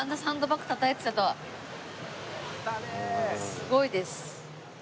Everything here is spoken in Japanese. すごいです。